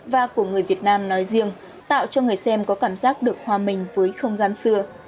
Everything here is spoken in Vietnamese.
và của người việt nam nói riêng tạo cho người xem có cảm giác được hòa mình với không gian xưa